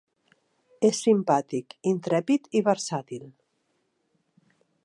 És simpàtic, intrèpid i versàtil.